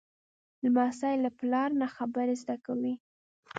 لمسی له پلار نه خبرې زده کوي.